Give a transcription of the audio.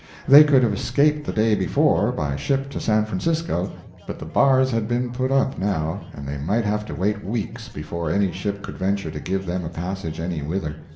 They could have escaped the day before, by ship to San Francisco; but the bars had been put up, now, and they might have to wait weeks before any ship could venture to give them a passage any whither.